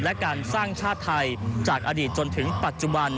และการสร้างชาติไทยจากอดีตจนถึงปัจจุบัน